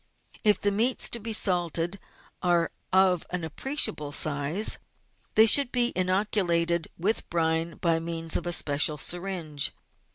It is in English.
If the meats to be salted are of an appreciable size, they should be inoculated with brine by means of a special syringe.